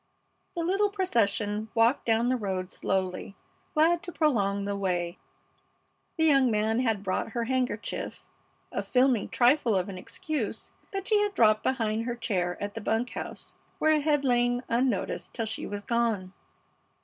The little procession walked down the road slowly, glad to prolong the way. The young man had brought her handkerchief, a filmy trifle of an excuse that she had dropped behind her chair at the bunk house, where it had lain unnoticed till she was gone.